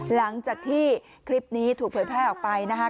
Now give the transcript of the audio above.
หลังจากที่คลิปนี้ถูกเผยแพร่ออกไปนะคะ